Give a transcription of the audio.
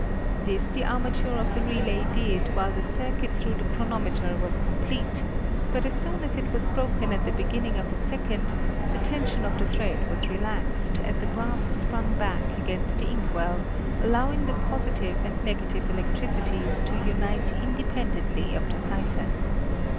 This the armature of the relay did while the circuit through the chronometer was complete, but as goon as it was broken at the beginning of a second, the tension of the thread was relaxed and the brass sprung back against the ink well, allowing the positive and negative electricities to unite independently of the siphon.